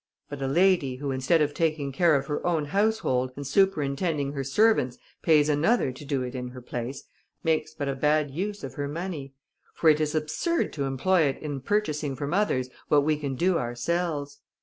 But a lady who, instead of taking care of her own household, and superintending her servants, pays another to do it in her place, makes but a bad use of her money; for it is absurd to employ it in purchasing from others what we can do ourselves.